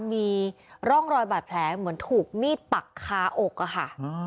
มีร่องรอยบาดแผลเหมือนถูกมีดปักคาอกอะค่ะ